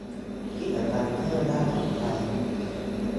กิจกรรมชื่อน่าสนใจ